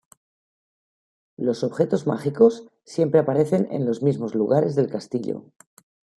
Los objetos mágicos siempre aparecen en los mismos lugares del castillo.